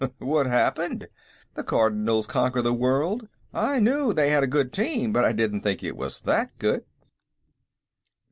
"What happened; the Cardinals conquer the world? I knew they had a good team, but I didn't think it was that good."